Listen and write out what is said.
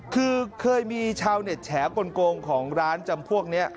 คือเคยมีชาวเน็ตแฉกลงของร้านจำพวกนี้